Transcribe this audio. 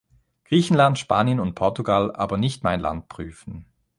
Griechenland, Spanien und Portugal, aber nicht mein Land prüfen.